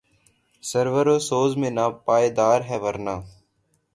سرور و سوز میں ناپائیدار ہے ورنہ